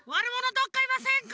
どっかいませんか？